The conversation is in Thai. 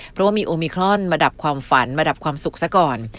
เพราะว่ามีโอมิครอนมาดับความฝันมาดับความสุขซะก่อน